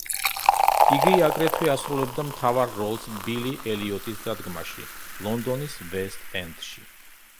იგი აგრეთვე ასრულებდა მთავარ როლს „ბილი ელიოტის“ დადგმაში, ლონდონის ვესტ-ენდში.